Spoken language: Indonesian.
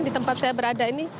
di tempat saya berada ini